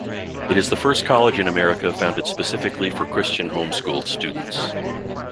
It is the first college in America founded specifically for Christian home-schooled students.